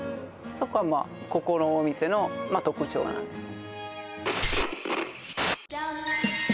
そこはここのお店の特徴なんです